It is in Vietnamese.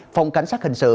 phòng cảnh sát hình sự